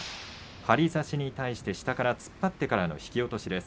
張り差しに対して下から突っ張ってからの引き落としです。